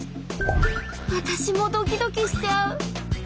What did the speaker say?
わたしもドキドキしちゃう。